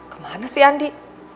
kemana sih andi